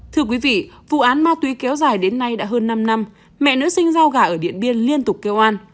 thưa quý vị vụ án ma túy kéo dài đến nay đã hơn năm năm mẹ nữ sinh rau gà ở điện biên liên tục kêu an